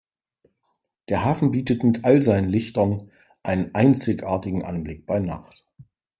Der Hafen bietet mit all seinen Lichtern einen einzigartigen Anblick bei Nacht.